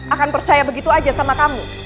akan percaya begitu aja sama kamu